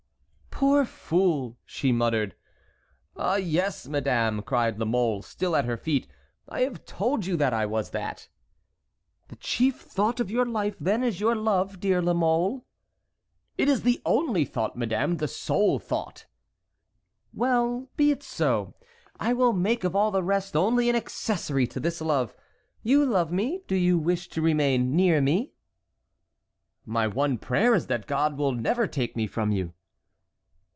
"Poor fool!" she murmured. "Ah, yes, madame," cried La Mole, still at her feet, "I have told you I was that." "The chief thought of your life, then, is your love, dear La Mole!" "It is the only thought, madame, the sole thought." "Well, be it so; I will make of all the rest only an accessory to this love. You love me; do you wish to remain near me?" "My one prayer is that God will never take me from you."